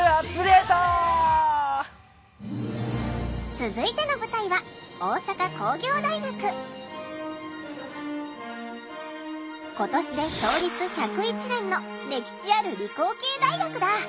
続いての舞台は今年で創立１０１年の歴史ある理工系大学だ。